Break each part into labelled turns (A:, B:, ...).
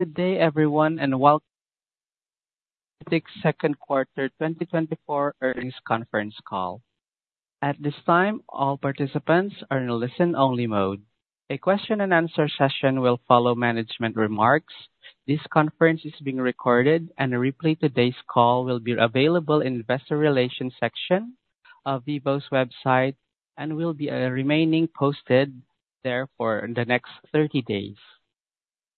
A: Good day, everyone, and welcome to Vivos' second quarter 2024 earnings conference call. At this time, all participants are in listen-only mode. A question and answer session will follow management remarks. This conference is being recorded, and a replay of today's call will be available in Investor Relations section of Vivos website and will be remaining posted there for the next 30 days.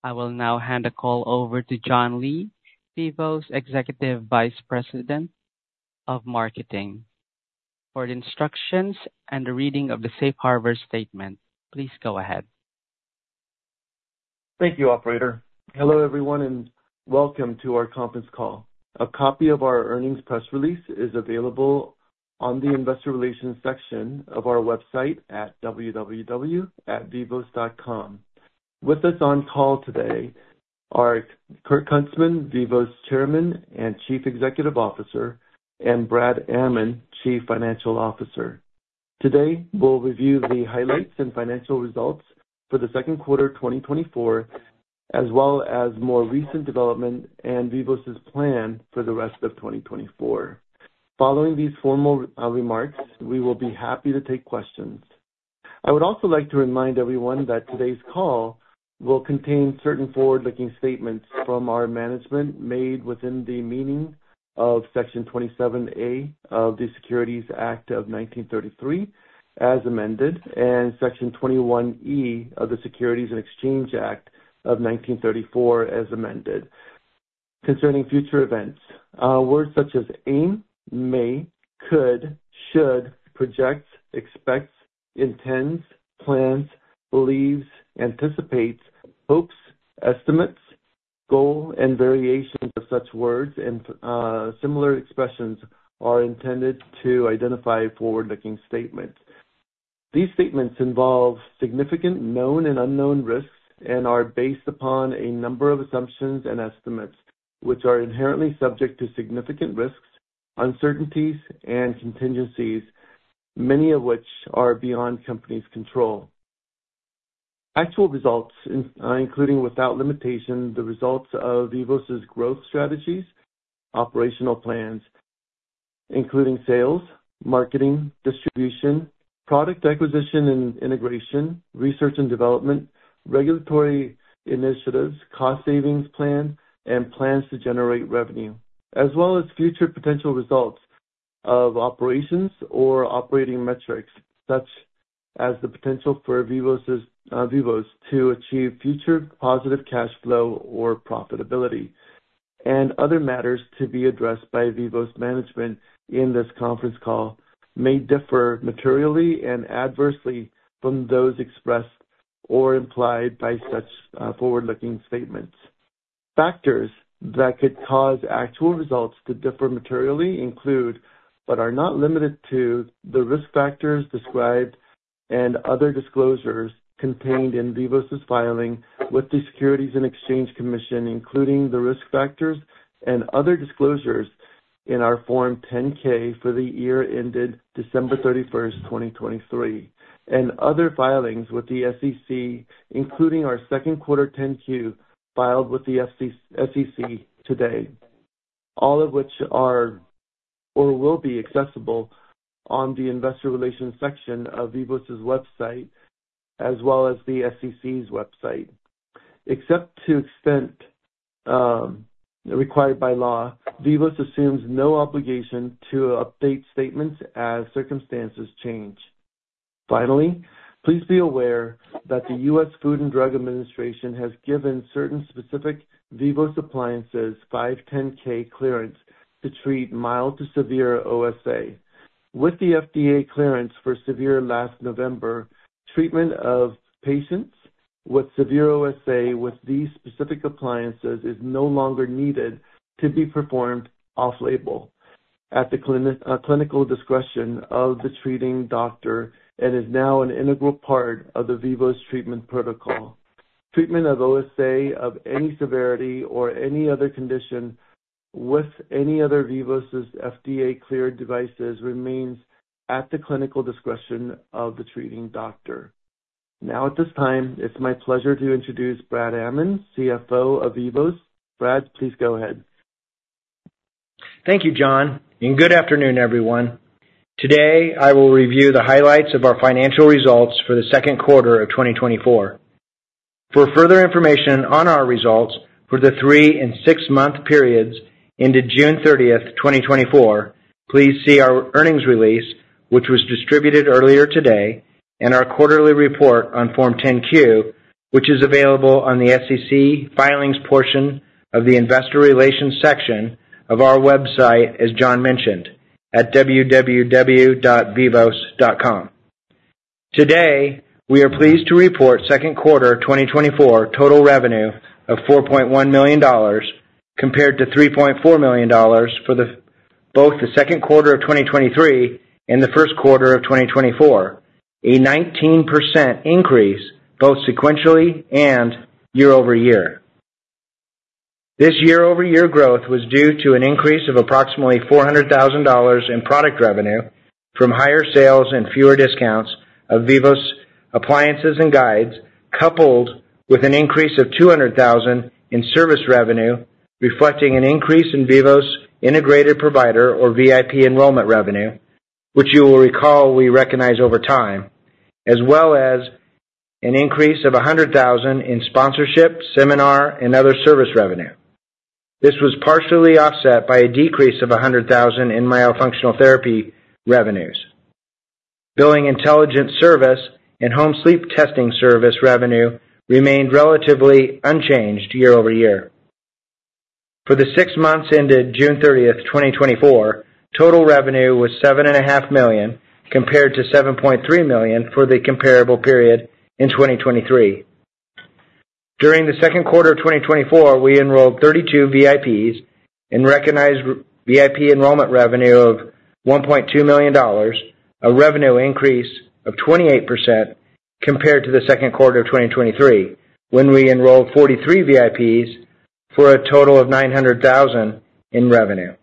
A: I will now hand the call over to John Lee, Vivos Executive Vice President of Marketing. For instructions and the reading of the Safe Harbor statement, please go ahead.
B: Thank you, operator. Hello, everyone, and welcome to our conference call. A copy of our earnings press release is available on the Investor Relations section of our website at www.vivos.com. With us on call today are Kirk Huntsman, Vivos Chairman and Chief Executive Officer, and Brad Ammon, Chief Financial Officer. Today, we'll review the highlights and financial results for the second quarter of 2024, as well as more recent development and Vivos' plan for the rest of 2024. Following these formal remarks, we will be happy to take questions. I would also like to remind everyone that today's call will contain certain forward-looking statements from our management made within the meaning of Section 27A of the Securities Act of 1933, as amended, and Section 21E of the Securities and Exchange Act of 1934, as amended, concerning future events. Words such as aim, may, could, should, project, expects, intends, plans, believes, anticipates, hopes, estimates, goal, and variations of such words and similar expressions are intended to identify forward-looking statements. These statements involve significant known and unknown risks and are based upon a number of assumptions and estimates, which are inherently subject to significant risks, uncertainties, and contingencies, many of which are beyond company's control. Actual results, including without limitation, the results of Vivos' growth strategies, operational plans, including sales, marketing, distribution, product acquisition and integration, research and development, regulatory initiatives, cost savings plan, and plans to generate revenue. As well as future potential results of operations or operating metrics, such as the potential for Vivos to achieve future positive cash flow or profitability, and other matters to be addressed by Vivos management in this conference call, may differ materially and adversely from those expressed or implied by such, forward-looking statements. Factors that could cause actual results to differ materially include, but are not limited to, the risk factors described and other disclosures contained in Vivos' filing with the Securities and Exchange Commission, including the risk factors and other disclosures in our Form 10-K for the year ended December 31, 2023. Other filings with the SEC, including our second quarter 10-Q, filed with the SEC today, all of which are or will be accessible on the Investor Relations section of Vivos' website, as well as the SEC's website. Except to the extent required by law, Vivos assumes no obligation to update statements as circumstances change. Finally, please be aware that the U.S. Food and Drug Administration has given certain specific Vivos appliances 510(k) clearance to treat mild to severe OSA. With the FDA clearance for severe last November, treatment of patients with severe OSA with these specific appliances is no longer needed to be performed off-label at the clinical discretion of the treating doctor and is now an integral part of the Vivos treatment protocol. Treatment of OSA of any severity or any other condition with any other Vivos' FDA-cleared devices remains at the clinical discretion of the treating doctor. Now, at this time, it's my pleasure to introduce Brad Ammon, CFO of Vivos. Brad, please go ahead.
C: Thank you, John, and good afternoon, everyone. Today, I will review the highlights of our financial results for the second quarter of 2024. For further information on our results for the three and six-month periods ended June 30, 2024, please see our earnings release, which was distributed earlier today, and our quarterly report on Form 10-Q, which is available on the SEC filings portion of the Investor Relations section of our website, as John mentioned, at www.vivos.com. Today, we are pleased to report second quarter 2024 total revenue of $4.1 million, compared to $3.4 million for the, both the second quarter of 2023 and the first quarter of 2024, a 19% increase both sequentially and year-over-year. This year-over-year growth was due to an increase of approximately $400,000 in product revenue from higher sales and fewer discounts of Vivos appliances and guides, coupled with an increase of $200,000 in service revenue, reflecting an increase in Vivos Integrated Provider or VIP enrollment revenue, which you will recall we recognize over time, as well as an increase of $100,000 in sponsorship, seminar, and other service revenue. This was partially offset by a decrease of $100,000 in myofunctional therapy revenues. Billing intelligence service and home sleep testing service revenue remained relatively unchanged year-over-year. For the six months ended June 30, 2024, total revenue was $7.5 million, compared to $7.3 million for the comparable period in 2023. During the second quarter of 2024, we enrolled 32 VIPs and recognized VIP enrollment revenue of $1.2 million, a revenue increase of 28% compared to the second quarter of 2023, when we enrolled 43 VIPs for a total of $900,000 in revenue.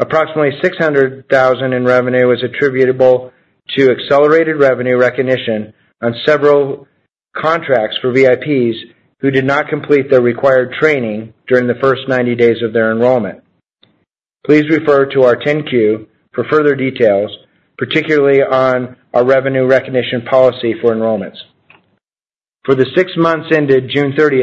C: Approximately $600,000 in revenue was attributable to accelerated revenue recognition on several contracts for VIPs who did not complete their required training during the first 90 days of their enrollment. Please refer to our 10-Q for further details, particularly on our revenue recognition policy for enrollments. For the six months ended June 30,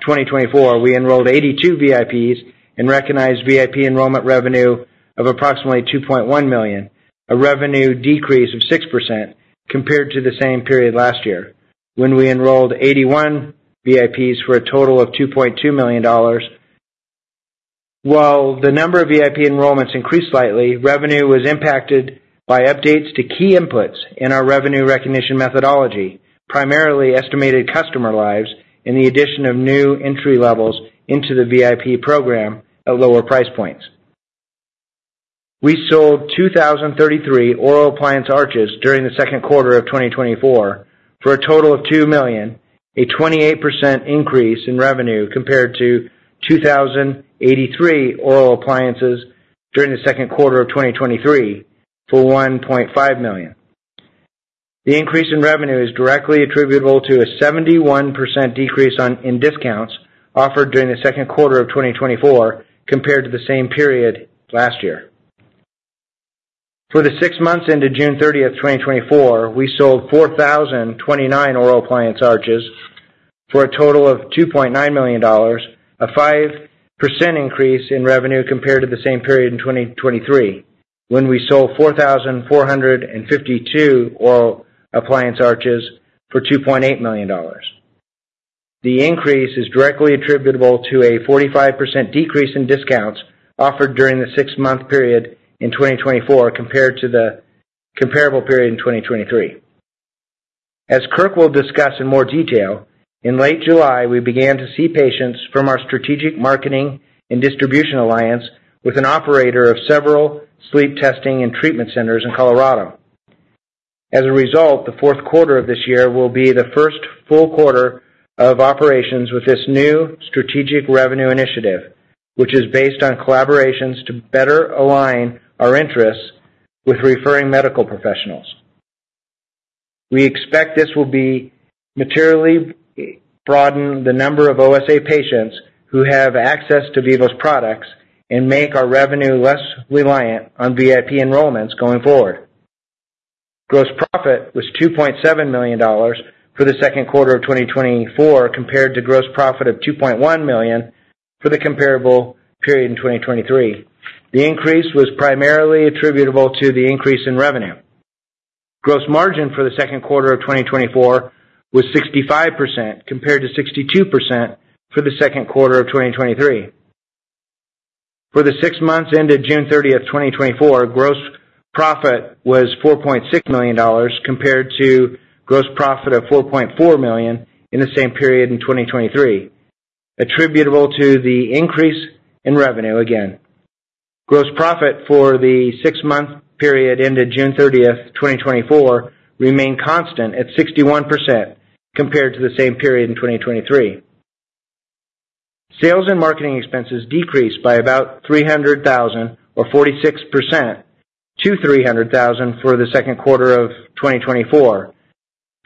C: 2024, we enrolled 82 VIPs and recognized VIP enrollment revenue of approximately $2.1 million, a revenue decrease of 6% compared to the same period last year, when we enrolled 81 VIPs for a total of $2.2 million. While the number of VIP enrollments increased slightly, revenue was impacted by updates to key inputs in our revenue recognition methodology, primarily estimated customer lives and the addition of new entry levels into the VIP program at lower price points. We sold 2,033 oral appliance arches during the second quarter of 2024 for a total of $2 million, a 28% increase in revenue compared to 2,083 oral appliances during the second quarter of 2023 for $1.5 million. The increase in revenue is directly attributable to a 71% decrease in discounts offered during the second quarter of 2024 compared to the same period last year. For the six months ended June 30, 2024, we sold 4,029 oral appliance arches for a total of $2.9 million, a 5% increase in revenue compared to the same period in 2023, when we sold 4,452 oral appliance arches for $2.8 million. The increase is directly attributable to a 45% decrease in discounts offered during the six-month period in 2024 compared to the comparable period in 2023. As Kirk will discuss in more detail, in late July, we began to see patients from our strategic marketing and distribution alliance with an operator of several sleep testing and treatment centers in Colorado. As a result, the fourth quarter of this year will be the first full quarter of operations with this new strategic revenue initiative, which is based on collaborations to better align our interests with referring medical professionals. We expect this will be materially broaden the number of OSA patients who have access to Vivos products and make our revenue less reliant on VIP enrollments going forward. Gross profit was $2.7 million for the second quarter of 2024, compared to gross profit of $2.1 million for the comparable period in 2023. The increase was primarily attributable to the increase in revenue. Gross margin for the second quarter of 2024 was 65%, compared to 62% for the second quarter of 2023. For the six months ended June 30, 2024, gross profit was $4.6 million, compared to gross profit of $4.4 million in the same period in 2023, attributable to the increase in revenue again. Gross profit for the six-month period ended June 30, 2024, remained constant at 61% compared to the same period in 2023. Sales and marketing expenses decreased by about $300,000 or 46% to $300,000 for the second quarter of 2024,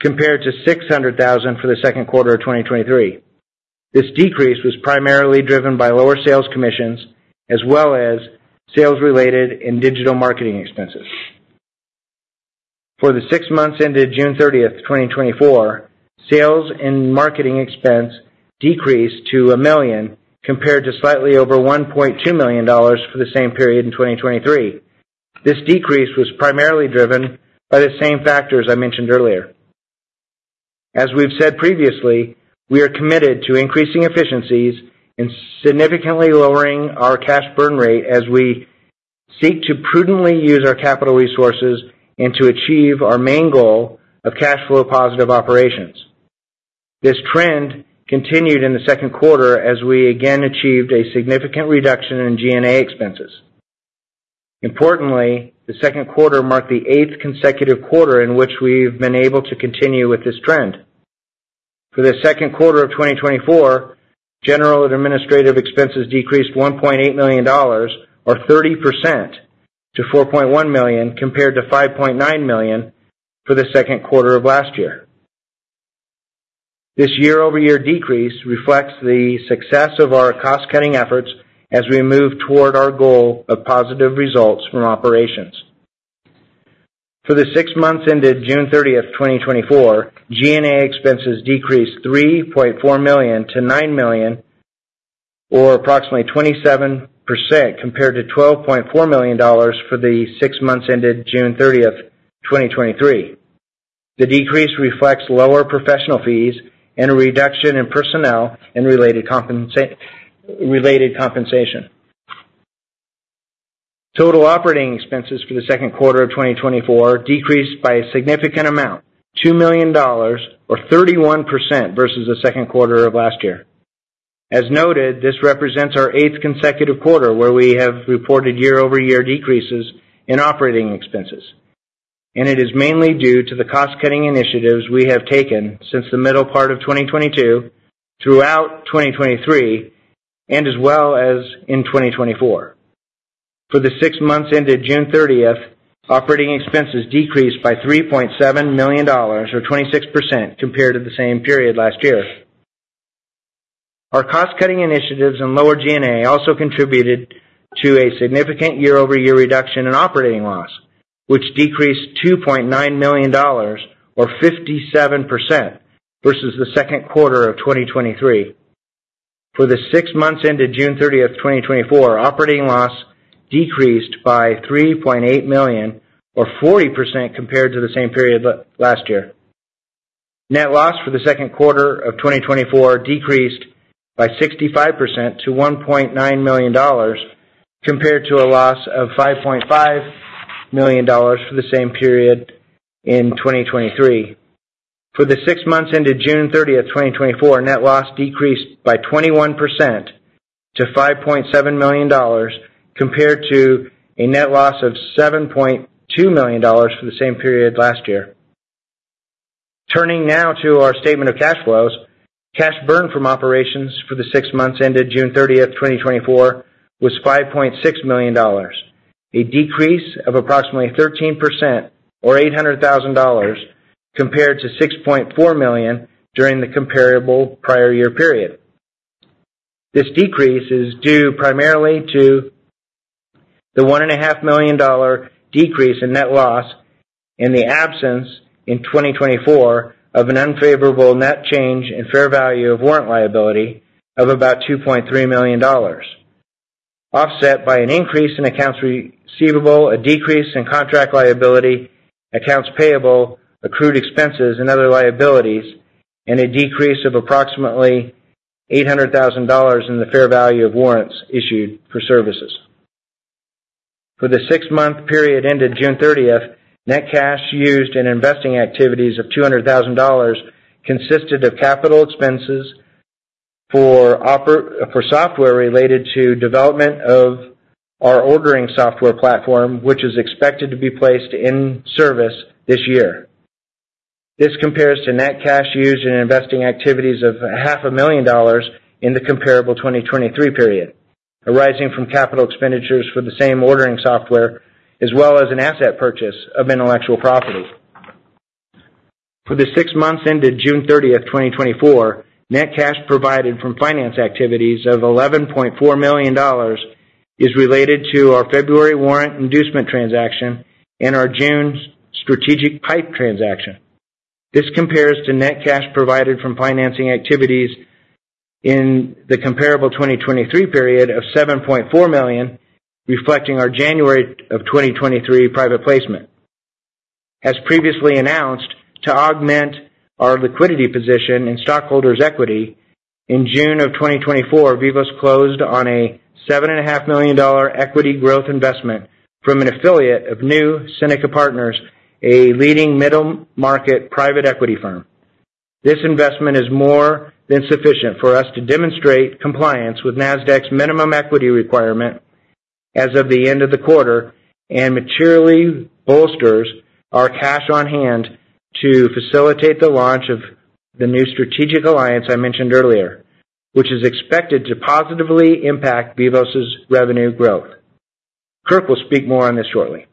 C: compared to $600,000 for the second quarter of 2023. This decrease was primarily driven by lower sales commissions as well as sales-related and digital marketing expenses. For the six months ended June 30, 2024, sales and marketing expense decreased to $1 million, compared to slightly over $1.2 million for the same period in 2023. This decrease was primarily driven by the same factors I mentioned earlier. As we've said previously, we are committed to increasing efficiencies and significantly lowering our cash burn rate as we seek to prudently use our capital resources and to achieve our main goal of cash flow positive operations. This trend continued in the second quarter as we again achieved a significant reduction in G&A expenses. Importantly, the second quarter marked the eighth consecutive quarter in which we've been able to continue with this trend. For the second quarter of 2024, general and administrative expenses decreased $1.8 million, or 30%, to $4.1 million, compared to $5.9 million for the second quarter of last year. This year-over-year decrease reflects the success of our cost-cutting efforts as we move toward our goal of positive results from operations. For the six months ended June 30, 2024, G&A expenses decreased $3.4 million to $9 million, or approximately 27%, compared to $12.4 million for the six months ended June 30, 2023. The decrease reflects lower professional fees and a reduction in personnel and related compensation. Total operating expenses for the second quarter of 2024 decreased by a significant amount, $2 million, or 31%, versus the second quarter of last year. As noted, this represents our eighth consecutive quarter where we have reported year-over-year decreases in operating expenses, and it is mainly due to the cost-cutting initiatives we have taken since the middle part of 2022, throughout 2023, and as well as in 2024. For the six months ended June 30, operating expenses decreased by $3.7 million, or 26%, compared to the same period last year. Our cost-cutting initiatives and lower G&A also contributed to a significant year-over-year reduction in operating loss, which decreased $2.9 million or 57% versus the second quarter of 2023. For the six months ended June 30, 2024, operating loss decreased by $3.8 million, or 40%, compared to the same period last year. Net loss for the second quarter of 2024 decreased by 65% to $1.9 million, compared to a loss of $5.5 million for the same period in 2023. For the six months ended June 30, 2024, net loss decreased by 21% to $5.7 million, compared to a net loss of $7.2 million for the same period last year. Turning now to our statement of cash flows. Cash burn from operations for the six months ended June 30, 2024, was $5.6 million, a decrease of approximately 13% or $800,000 compared to $6.4 million during the comparable prior year period. This decrease is due primarily to the $1.5 million decrease in net loss and the absence in 2024 of an unfavorable net change in fair value of warrant liability of about $2.3 million, offset by an increase in accounts receivable, a decrease in contract liability, accounts payable, accrued expenses, and other liabilities, and a decrease of approximately $800,000 in the fair value of warrants issued for services. For the six-month period ended June thirtieth, net cash used in investing activities of $200,000 consisted of capital expenses for software related to development of our ordering software platform, which is expected to be placed in service this year. This compares to net cash used in investing activities of $500,000 in the comparable 2023 period, arising from capital expenditures for the same ordering software, as well as an asset purchase of intellectual property. For the six months ended June 30, 2024, net cash provided from finance activities of $11.4 million is related to our February warrant inducement transaction and our June strategic PIPE transaction. This compares to net cash provided from financing activities in the comparable 2023 period of $7.4 million, reflecting our January 2023 private placement. As previously announced, to augment our liquidity position in stockholders' equity, in June 2024, Vivos closed on a $7.5 million equity growth investment from an affiliate of New Seneca Partners, a leading middle-market private equity firm. This investment is more than sufficient for us to demonstrate compliance with Nasdaq's minimum equity requirement as of the end of the quarter, and materially bolsters our cash on hand to facilitate the launch of the new strategic alliance I mentioned earlier, which is expected to positively impact Vivos' revenue growth. Kirk will speak more on this shortly.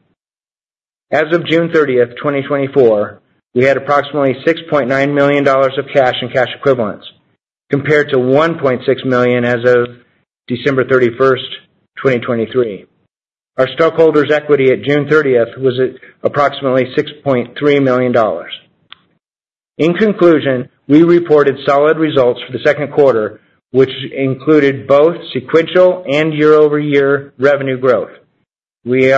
C: As of June 30th, 2024, we had approximately $6.9 million of cash and cash equivalents, compared to $1.6 million as of December 31st, 2023. Our stockholders' equity at June 30th was at approximately $6.3 million. In conclusion, we reported solid results for the second quarter, which included both sequential and year-over-year revenue growth. We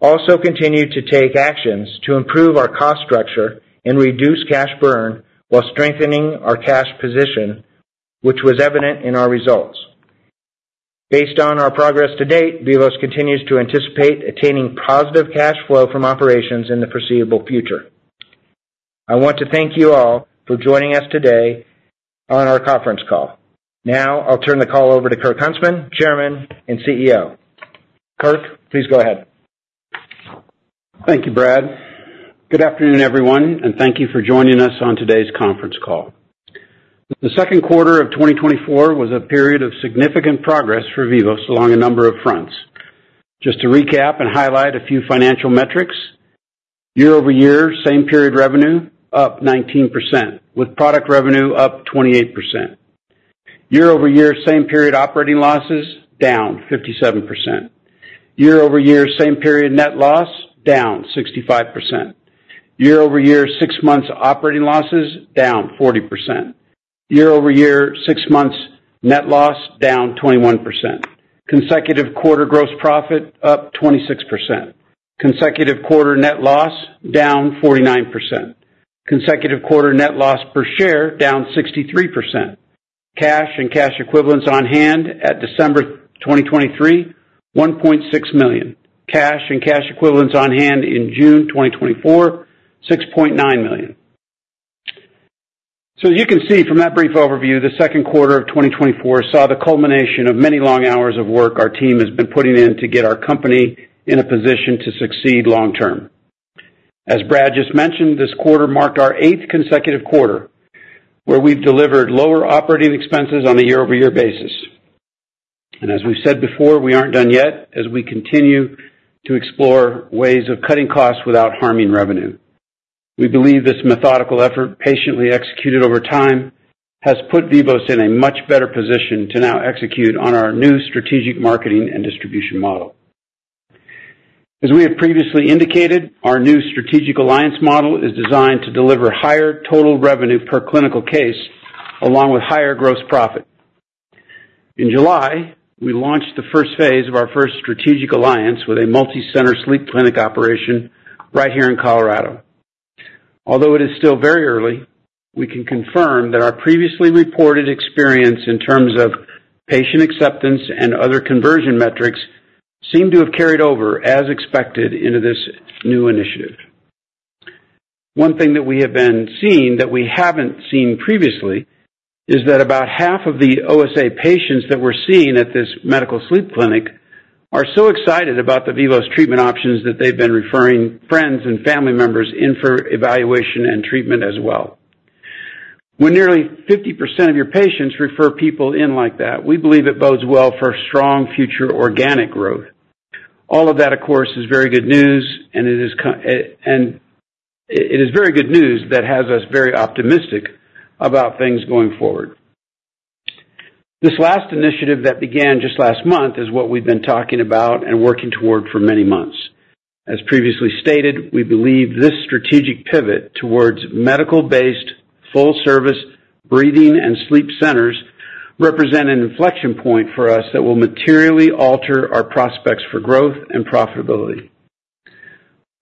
C: also continued to take actions to improve our cost structure and reduce cash burn while strengthening our cash position, which was evident in our results. Based on our progress to date, Vivos continues to anticipate attaining positive cash flow from operations in the foreseeable future. I want to thank you all for joining us today on our conference call. Now I'll turn the call over to Kirk Huntsman, Chairman and CEO. Kirk, please go ahead.
D: Thank you, Brad. Good afternoon, everyone, and thank you for joining us on today's conference call. The second quarter of 2024 was a period of significant progress for Vivos along a number of fronts. Just to recap and highlight a few financial metrics, year-over-year, same period revenue up 19%, with product revenue up 28%. Year-over-year, same period operating losses down 57%. Year-over-year, same period net loss down 65%. Year-over-year, six months operating losses down 40%. Year-over-year, six months net loss down 21%. Consecutive quarter gross profit up 26%. Consecutive quarter net loss down 49%. Consecutive quarter net loss per share down 63%. Cash and cash equivalents on hand at December 2023, $1.6 million. Cash and cash equivalents on hand in June 2024, $6.9 million. So as you can see from that brief overview, the second quarter of 2024 saw the culmination of many long hours of work our team has been putting in to get our company in a position to succeed long term. As Brad just mentioned, this quarter marked our eighth consecutive quarter where we've delivered lower operating expenses on a year-over-year basis. As we've said before, we aren't done yet, as we continue to explore ways of cutting costs without harming revenue. We believe this methodical effort, patiently executed over time, has put Vivos in a much better position to now execute on our new strategic marketing and distribution model. As we have previously indicated, our new strategic alliance model is designed to deliver higher total revenue per clinical case, along with higher gross profit. In July, we launched the first phase of our first strategic alliance with a multicenter sleep clinic operation right here in Colorado. Although it is still very early, we can confirm that our previously reported experience in terms of patient acceptance and other conversion metrics seem to have carried over, as expected, into this new initiative. One thing that we have been seeing that we haven't seen previously is that about half of the OSA patients that we're seeing at this medical sleep clinic are so excited about the Vivos treatment options, that they've been referring friends and family members in for evaluation and treatment as well. When nearly 50% of your patients refer people in like that, we believe it bodes well for strong future organic growth. All of that, of course, is very good news, and it is and it is very good news that has us very optimistic about things going forward. This last initiative that began just last month is what we've been talking about and working toward for many months. As previously stated, we believe this strategic pivot towards medical-based, full-service breathing and sleep centers represent an inflection point for us that will materially alter our prospects for growth and profitability.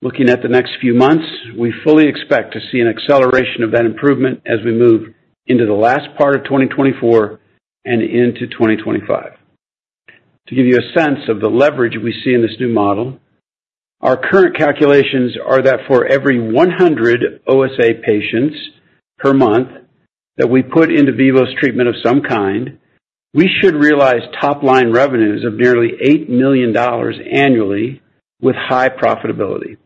D: Looking at the next few months, we fully expect to see an acceleration of that improvement as we move into the last part of 2024 and into 2025. To give you a sense of the leverage we see in this new model, our current calculations are that for every 100 OSA patients per month that we put into Vivos treatment of some kind, we should realize top line revenues of nearly $8 million annually with high profitability.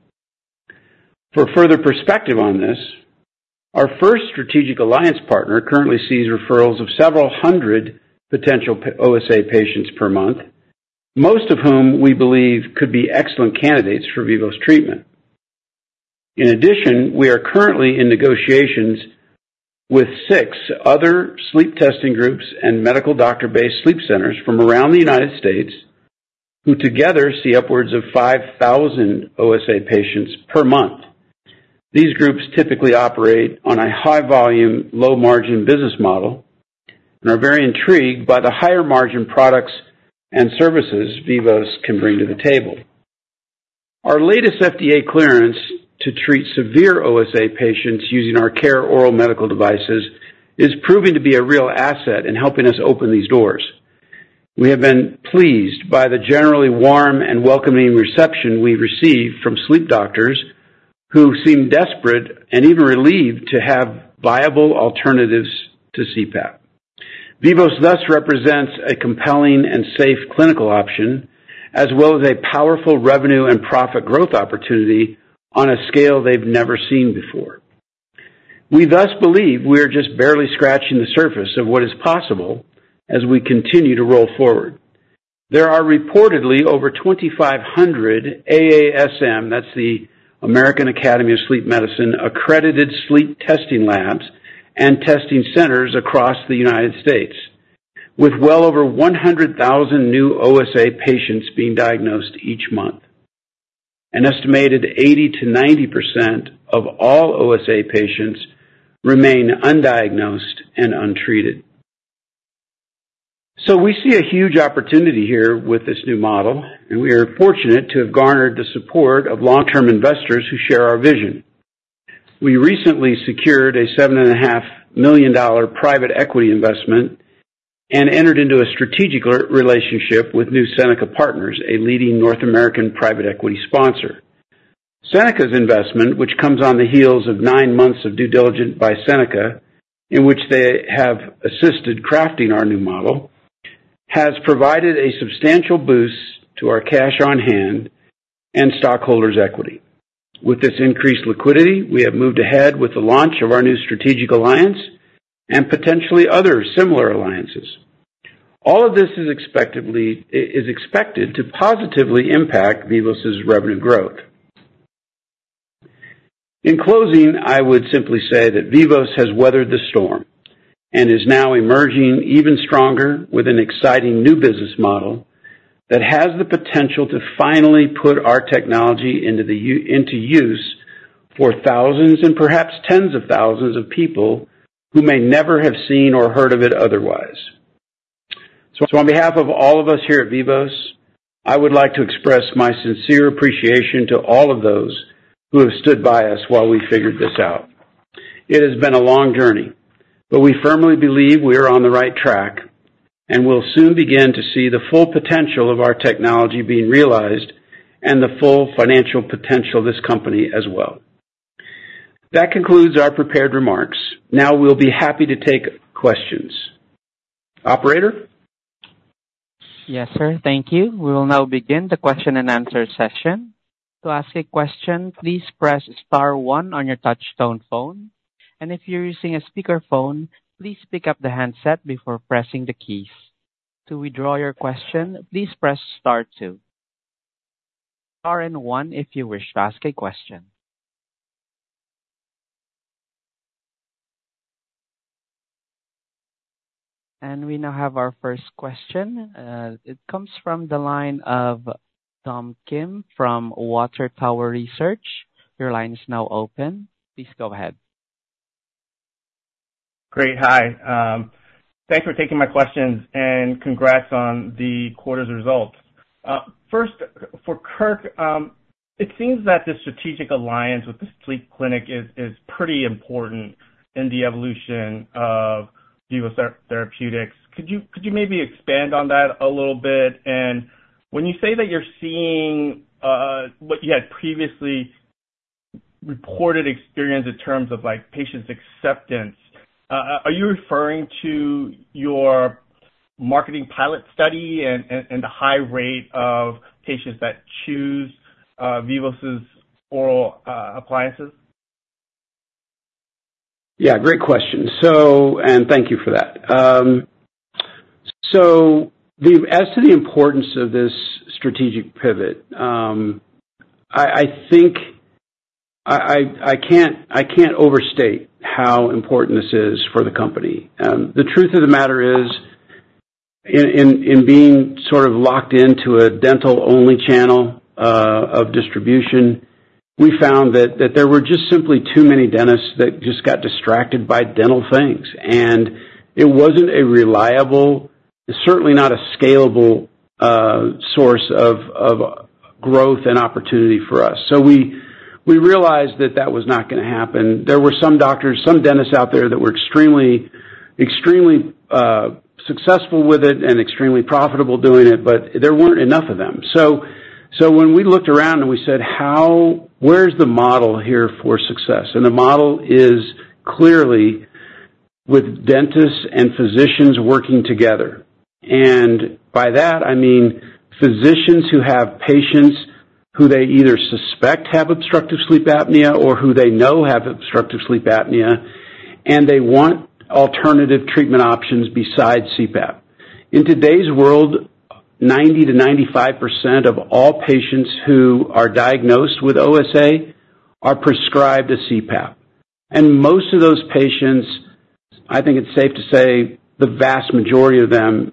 D: For further perspective on this, our first strategic alliance partner currently sees referrals of several hundred potential OSA patients per month, most of whom we believe could be excellent candidates for Vivos treatment. In addition, we are currently in negotiations with six other sleep testing groups and medical doctor-based sleep centers from around the United States, who together see upwards of 5,000 OSA patients per month. These groups typically operate on a high-volume, low-margin business model and are very intrigued by the higher margin products and services Vivos can bring to the table. Our latest FDA clearance to treat severe OSA patients using our CARE oral medical devices is proving to be a real asset in helping us open these doors. We have been pleased by the generally warm and welcoming reception we've received from sleep doctors, who seem desperate and even relieved to have viable alternatives to CPAP. Vivos thus represents a compelling and safe clinical option, as well as a powerful revenue and profit growth opportunity on a scale they've never seen before. We thus believe we are just barely scratching the surface of what is possible as we continue to roll forward. There are reportedly over 2,500 AASM, that's the American Academy of Sleep Medicine, accredited sleep testing labs and testing centers across the United States, with well over 100,000 new OSA patients being diagnosed each month. An estimated 80%-90% of all OSA patients remain undiagnosed and untreated. So we see a huge opportunity here with this new model, and we are fortunate to have garnered the support of long-term investors who share our vision. We recently secured a $7.5 million private equity investment and entered into a strategic relationship with New Seneca Partners, a leading North American private equity sponsor. Seneca's investment, which comes on the heels of nine months of due diligence by Seneca, in which they have assisted crafting our new model, has provided a substantial boost to our cash on hand and stockholders' equity. With this increased liquidity, we have moved ahead with the launch of our new strategic alliance and potentially other similar alliances. All of this is expected to positively impact Vivos' revenue growth. In closing, I would simply say that Vivos has weathered the storm and is now emerging even stronger with an exciting new business model that has the potential to finally put our technology into use for thousands and perhaps tens of thousands of people who may never have seen or heard of it otherwise. So on behalf of all of us here at Vivos, I would like to express my sincere appreciation to all of those who have stood by us while we figured this out. It has been a long journey, but we firmly believe we are on the right track, and we'll soon begin to see the full potential of our technology being realized and the full financial potential of this company as well. That concludes our prepared remarks. Now, we'll be happy to take questions. Operator?
A: Yes, sir. Thank you. We will now begin the question-and-answer session. To ask a question, please press star one on your touchtone phone, and if you're using a speakerphone, please pick up the handset before pressing the keys. To withdraw your question, please press star two. Star and one if you wish to ask a question. We now have our first question. It comes from the line of Do Kim from Water Tower Research. Your line is now open. Please go ahead.
E: Great. Hi, thanks for taking my questions, and congrats on the quarter's results. First, for Kirk, it seems that the strategic alliance with the sleep clinic is pretty important in the evolution of Vivos Therapeutics. Could you maybe expand on that a little bit? And when you say that you're seeing what you had previously reported experience in terms of, like, patients' acceptance, are you referring to your marketing pilot study and the high rate of patients that choose Vivos' oral appliances?
D: Yeah, great question. So, and thank you for that. So the, as to the importance of this strategic pivot, I think I can't overstate how important this is for the company. The truth of the matter is, in being sort of locked into a dental-only channel of distribution, we found that there were just simply too many dentists that just got distracted by dental things. And it wasn't a reliable, certainly not a scalable source of growth and opportunity for us. So we realized that that was not gonna happen. There were some doctors, some dentists out there that were extremely successful with it and extremely profitable doing it, but there weren't enough of them. So when we looked around, and we said: How, where's the model here for success? The model is clearly with dentists and physicians working together, and by that I mean physicians who have patients who they either suspect have obstructive sleep apnea or who they know have obstructive sleep apnea, and they want alternative treatment options besides CPAP. In today's world, 90%-95% of all patients who are diagnosed with OSA are prescribed a CPAP, and most of those patients, I think it's safe to say the vast majority of them,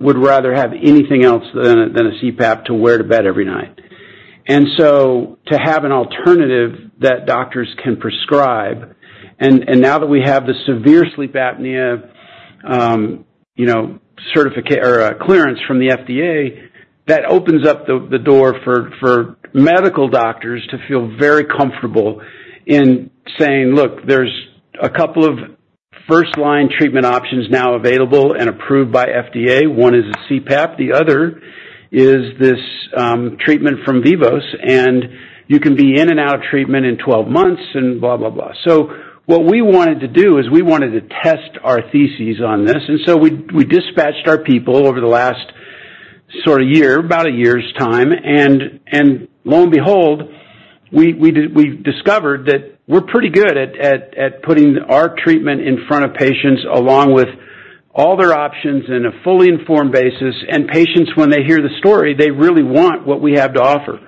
D: would rather have anything else than a, than a CPAP to wear to bed every night. To have an alternative that doctors can prescribe, and now that we have the severe sleep apnea, you know, clearance from the FDA, that opens up the door for medical doctors to feel very comfortable in saying, "Look, there's a couple of first-line treatment options now available and approved by FDA. One is a CPAP, the other is this treatment from Vivos, and you can be in and out of treatment in 12 months," and blah, blah, blah. So what we wanted to do is we wanted to test our theses on this, and so we dispatched our people over the last sort of year, about a year's time. And lo and behold, we discovered that we're pretty good at putting our treatment in front of patients along with all their options on a fully informed basis. Patients, when they hear the story, they really want what we have to offer.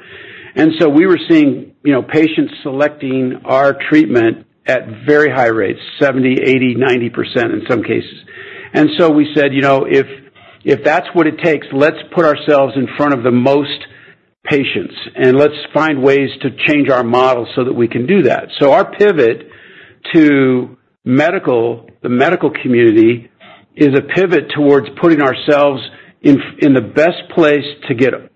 D: So we were seeing, you know, patients selecting our treatment at very high rates, 70, 80, 90% in some cases. So we said, you know, if that's what it takes, let's put ourselves in front of the most patients, and let's find ways to change our model so that we can do that. So our pivot to the medical community is a pivot towards putting ourselves in the best place to get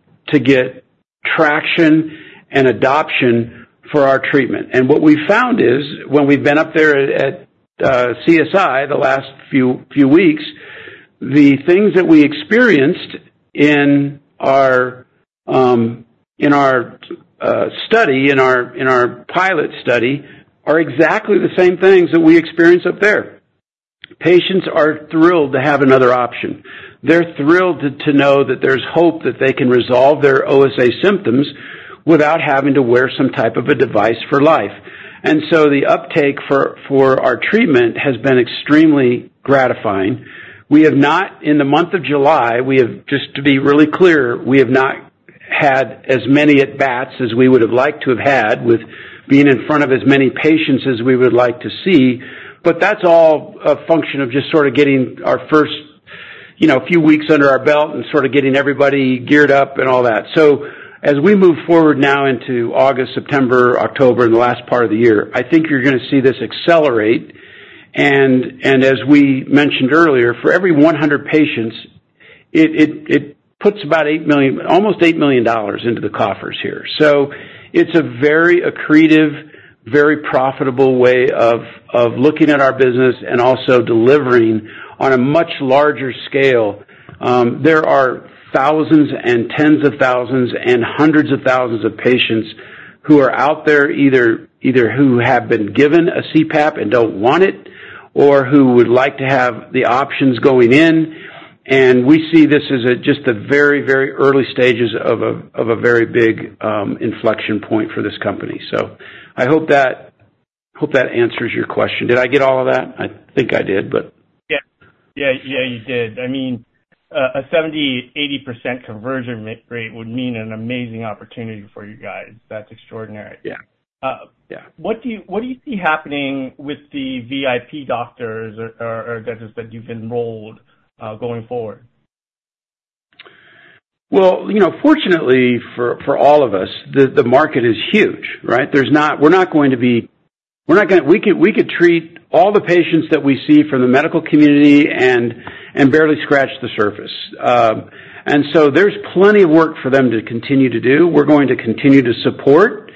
D: traction and adoption for our treatment. What we found is, when we've been up there at CSI the last few weeks, the things that we experienced in our pilot study are exactly the same things that we experience up there. Patients are thrilled to have another option. They're thrilled to know that there's hope that they can resolve their OSA symptoms without having to wear some type of a device for life. So the uptake for our treatment has been extremely gratifying. We have not, in the month of July, just to be really clear, we have not had as many at bats as we would have liked to have had with being in front of as many patients as we would like to see. But that's all a function of just sort of getting our first, you know, few weeks under our belt and sort of getting everybody geared up and all that. So as we move forward now into August, September, October, and the last part of the year, I think you're gonna see this accelerate. And as we mentioned earlier, for every 100 patients, it puts about $8 million—almost $8 million into the coffers here. So it's a very accretive, very profitable way of looking at our business and also delivering on a much larger scale. There are thousands and tens of thousands and hundreds of thousands of patients who are out there, either who have been given a CPAP and don't want it, or who would like to have the options going in. We see this as just a very, very early stages of a very big inflection point for this company. So I hope that answers your question. Did I get all of that? I think I did, but-
E: Yeah. Yeah, yeah, you did. I mean, a 70%-80% conversion rate would mean an amazing opportunity for you guys. That's extraordinary.
D: Yeah. Yeah.
E: What do you see happening with the VIP doctors or dentists that you've enrolled going forward?
D: Well, you know, fortunately for all of us, the market is huge, right? There's not going to be... We're not gonna... we could treat all the patients that we see from the medical community and barely scratch the surface. And so there's plenty of work for them to continue to do. We're going to continue to support,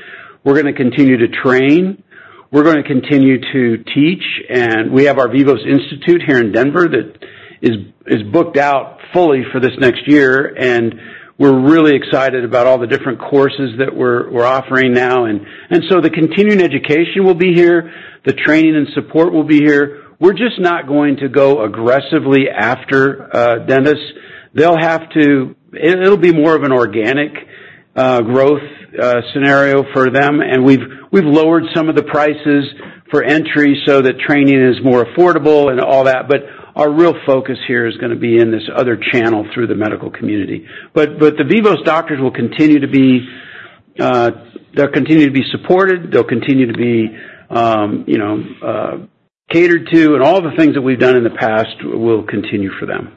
D: we're gonna continue to train, we're gonna continue to teach, and we have our Vivos Institute here in Denver that is booked out fully for this next year, and we're really excited about all the different courses that we're offering now. And so the continuing education will be here, the training and support will be here. We're just not going to go aggressively after dentists. They'll have to... It'll be more of an organic growth scenario for them, and we've lowered some of the prices for entry so that training is more affordable and all that, but our real focus here is gonna be in this other channel through the medical community. But the Vivos doctors will continue to be; they'll continue to be you know catered to, and all the things that we've done in the past will continue for them.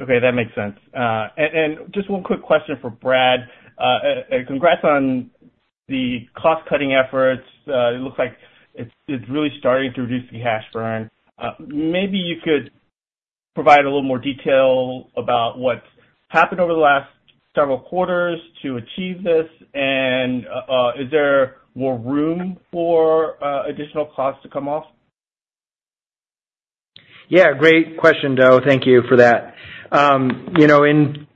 E: Okay, that makes sense. And just one quick question for Brad. Congrats on the cost-cutting efforts. It looks like it's really starting to reduce the cash burn. Maybe you could provide a little more detail about what's happened over the last several quarters to achieve this, and is there more room for additional costs to come off?
C: Yeah, great question, Do. Thank you for that. You know, in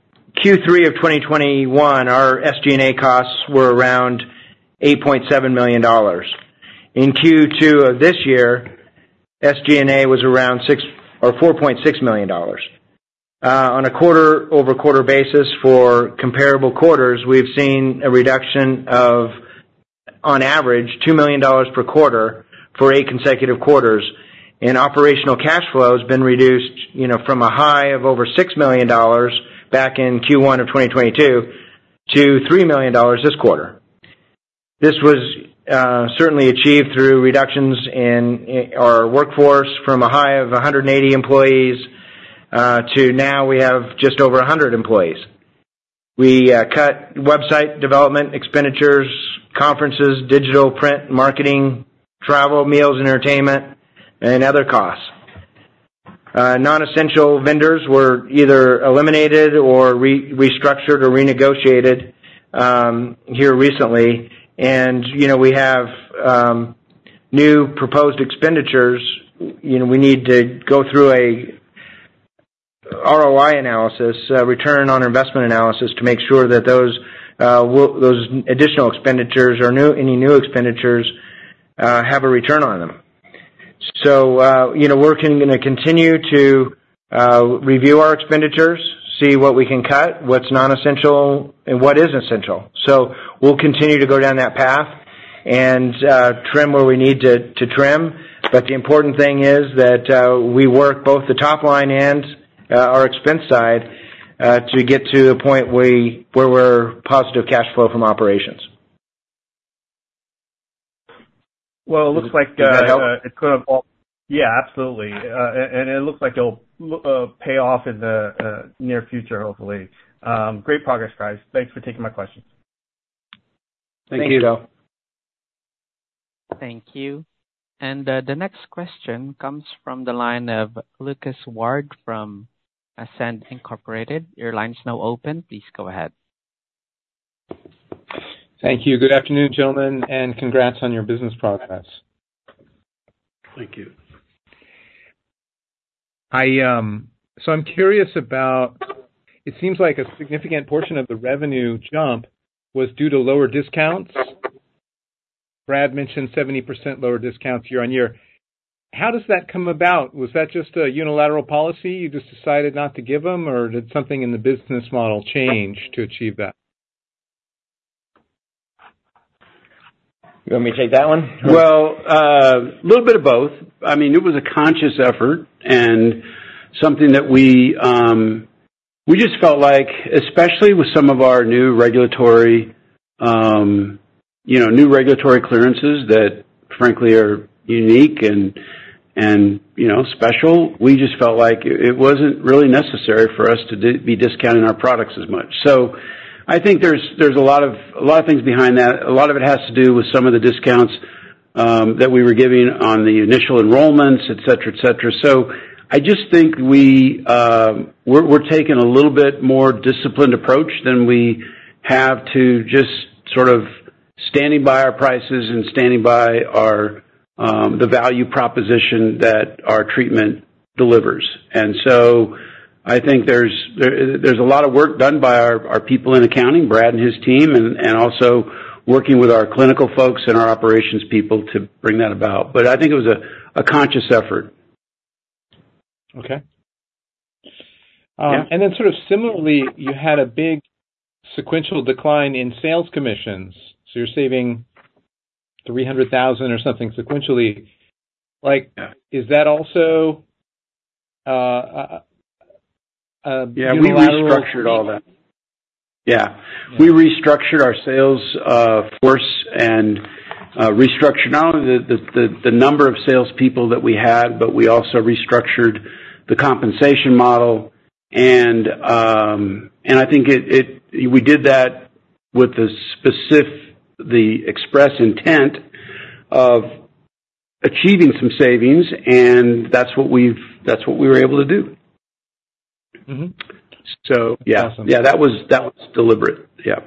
C: Q3 of 2021, our SG&A costs were around $8.7 million. In Q2 of this year, SG&A was around $4.6 million. On a quarter-over-quarter basis for comparable quarters, we've seen a reduction of, on average, $2 million per quarter for 8 consecutive quarters, and operational cash flow has been reduced, you know, from a high of over $6 million back in Q1 of 2022, to $3 million this quarter. This was certainly achieved through reductions in our workforce, from a high of 180 employees, to now we have just over 100 employees. We cut website development expenditures, conferences, digital print, marketing, travel, meals, entertainment, and other costs. Non-essential vendors were either eliminated or restructured or renegotiated here recently. And, you know, we have new proposed expenditures. You know, we need to go through a ROI analysis, return on investment analysis, to make sure that those additional expenditures or new, any new expenditures have a return on them. So, you know, we're gonna continue to review our expenditures, see what we can cut, what's non-essential and what is essential. So we'll continue to go down that path and trim where we need to trim. But the important thing is that we work both the top line and our expense side to get to the point where we're positive cash flow from operations.
E: Well, it looks like,
C: Does that help?
E: It's gonna... Yeah, absolutely. And it looks like it'll pay off in the near future, hopefully. Great progress, guys. Thanks for taking my questions.
C: Thank you.
D: Thank you, Do....
A: Thank you. And, the next question comes from the line of Lucas Ward from Ascendiant Capital Markets. Your line's now open. Please go ahead.
F: Thank you. Good afternoon, gentlemen, and congrats on your business progress.
D: Thank you.
F: So I'm curious about— It seems like a significant portion of the revenue jump was due to lower discounts. Brad mentioned 70% lower discounts year-on-year. How does that come about? Was that just a unilateral policy, you just decided not to give them, or did something in the business model change to achieve that?
C: You want me to take that one?
D: Well, little bit of both. I mean, it was a conscious effort and something that we, we just felt like, especially with some of our new regulatory, you know, new regulatory clearances that frankly are unique and, and, you know, special, we just felt like it wasn't really necessary for us to do, be discounting our products as much. So I think there's, there's a lot of, a lot of things behind that. A lot of it has to do with some of the discounts, that we were giving on the initial enrollments, et cetera, et cetera. So I just think we, we're, we're taking a little bit more disciplined approach than we have to just sort of standing by our prices and standing by our, the value proposition that our treatment delivers. And so I think there's a lot of work done by our people in accounting, Brad and his team, and also working with our clinical folks and our operations people to bring that about. But I think it was a conscious effort.
F: Okay.
D: Yeah.
F: And then sort of similarly, you had a big sequential decline in sales commissions, so you're saving $300,000 or something sequentially. Like-
D: Yeah.
F: Is that also unilateral?
D: Yeah, we restructured all that. Yeah. We restructured our sales force and restructured not only the number of salespeople that we had, but we also restructured the compensation model. And I think it, we did that with the express intent of achieving some savings, and that's what we've, that's what we were able to do.
F: Mm-hmm.
D: So yeah.
F: Awesome.
D: Yeah, that was, that was deliberate. Yeah.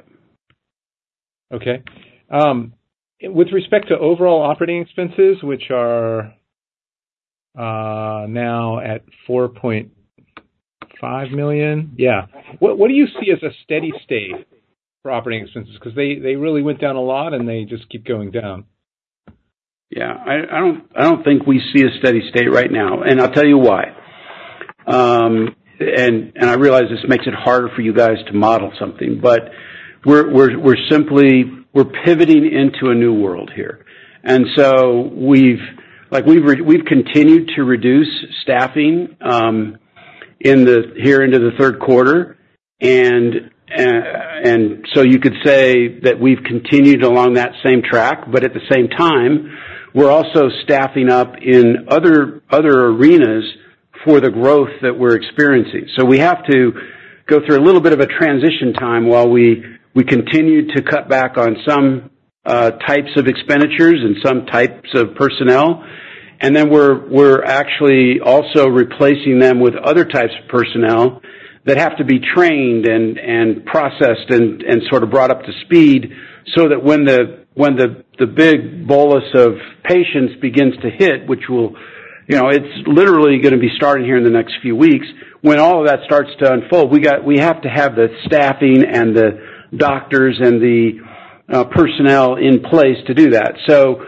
F: Okay. With respect to overall operating expenses, which are now at $4.5 million? Yeah. What do you see as a steady state for operating expenses? Because they really went down a lot, and they just keep going down.
D: Yeah. I don't think we see a steady state right now, and I'll tell you why. And I realize this makes it harder for you guys to model something, but we're simply... We're pivoting into a new world here. And so we've, like, continued to reduce staffing here into the third quarter. And so you could say that we've continued along that same track, but at the same time, we're also staffing up in other arenas for the growth that we're experiencing. So we have to go through a little bit of a transition time while we continue to cut back on some types of expenditures and some types of personnel. And then we're actually also replacing them with other types of personnel that have to be trained and processed and sort of brought up to speed, so that when the big bolus of patients begins to hit, which will, you know, it's literally gonna be starting here in the next few weeks. When all of that starts to unfold, we have to have the staffing and the doctors and the personnel in place to do that. So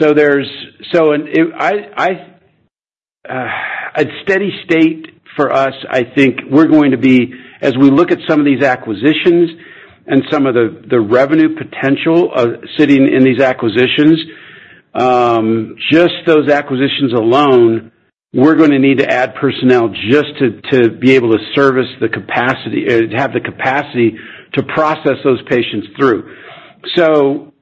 D: there's so and it... A steady state for us, I think, we're going to be, as we look at some of these acquisitions and some of the revenue potential of sitting in these acquisitions, just those acquisitions alone, we're gonna need to add personnel just to be able to service the capacity to have the capacity to process those patients through. So,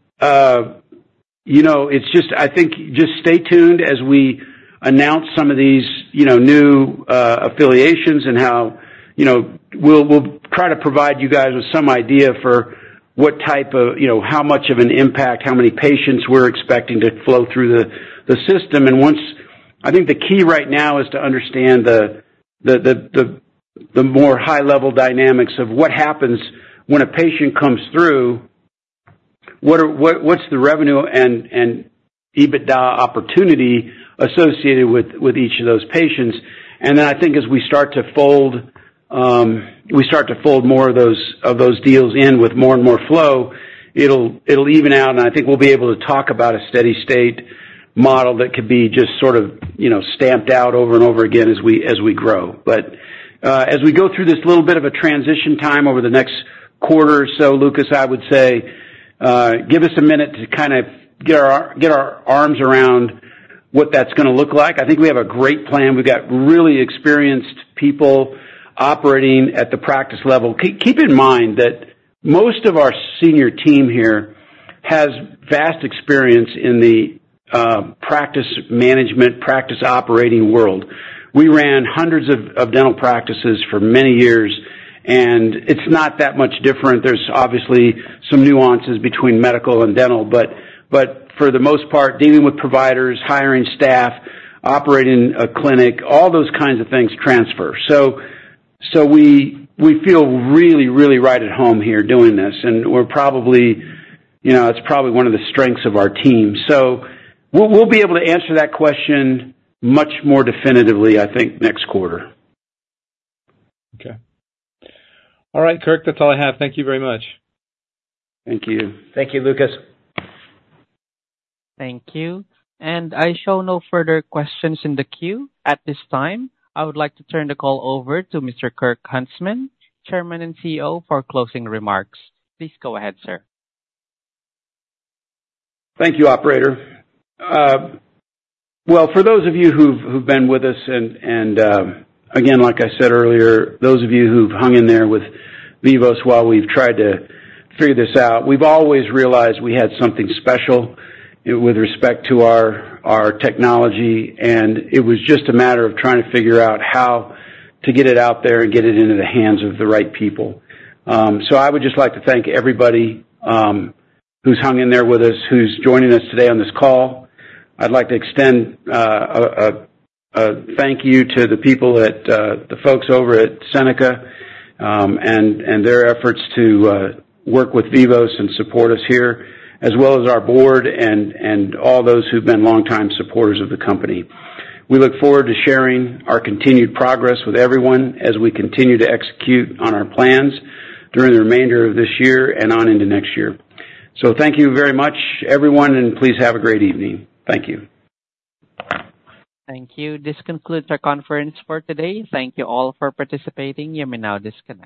D: you know, it's just... I think, just stay tuned as we announce some of these, you know, new affiliations and how, you know, we'll try to provide you guys with some idea for what type of—you know, how much of an impact, how many patients we're expecting to flow through the system. Once I think the key right now is to understand the more high-level dynamics of what happens when a patient comes through, what's the revenue and EBITDA opportunity associated with each of those patients. Then I think as we start to fold more of those deals in with more and more flow, it'll even out, and I think we'll be able to talk about a steady state model that could be just sort of, you know, stamped out over and over again as we grow. But as we go through this little bit of a transition time over the next quarter or so, Lucas, I would say give us a minute to kind of get our arms around what that's gonna look like. I think we have a great plan. We've got really experienced people operating at the practice level. Keep in mind that most of our senior team here has vast experience in the practice management, practice operating world. We ran hundreds of dental practices for many years. It's not that much different. There's obviously some nuances between medical and dental, but for the most part, dealing with providers, hiring staff, operating a clinic, all those kinds of things transfer. So we feel really right at home here doing this, and we're probably, you know, it's probably one of the strengths of our team. So we'll be able to answer that question much more definitively, I think, next quarter.
F: Okay. All right, Kirk, that's all I have. Thank you very much.
D: Thank you.
A: Thank you, Lucas. Thank you. I show no further questions in the queue. At this time, I would like to turn the call over to Mr. Kirk Huntsman, Chairman and CEO, for closing remarks. Please go ahead, sir.
D: Thank you, operator. Well, for those of you who've been with us and again, like I said earlier, those of you who've hung in there with Vivos while we've tried to figure this out, we've always realized we had something special with respect to our technology, and it was just a matter of trying to figure out how to get it out there and get it into the hands of the right people. So I would just like to thank everybody who's hung in there with us, who's joining us today on this call. I'd like to extend a thank you to the people at the folks over at Seneca, and their efforts to work with Vivos and support us here, as well as our board and all those who've been longtime supporters of the company. We look forward to sharing our continued progress with everyone as we continue to execute on our plans during the remainder of this year and on into next year. So thank you very much, everyone, and please have a great evening. Thank you.
A: Thank you. This concludes our conference for today. Thank you all for participating. You may now disconnect.